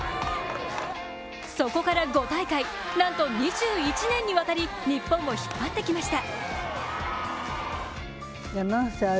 そこから５大会、なんと２１年にわたり日本を引っ張ってきました。